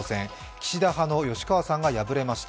岸田派の吉川さんが敗れました。